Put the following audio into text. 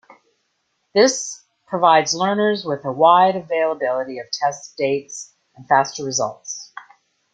This provides learners with a wider availability of test dates and faster results.